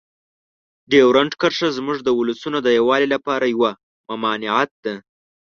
ډیورنډ کرښه زموږ د ولسونو د یووالي لپاره یوه ممانعت ده.